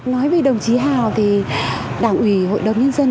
nói với đồng chí hào thì đảng ủy hội đồng nhân dân